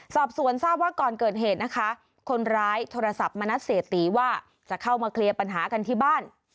สอบสวนทราบว่าก่อนเกิดเหตุนะคะคนร้ายโทรศัพท์มานัดเสียตีว่าจะเข้ามาเคลียร์ปัญหากันที่บ้าน